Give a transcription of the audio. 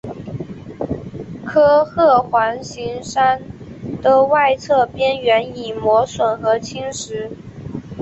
科赫环形山的外侧边缘已磨损和侵蚀。